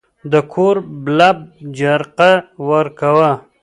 د کور بلب جرقه ورکاوه.